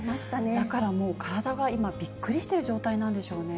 だからもう、体が今びっくりしている状態なんでしょうね。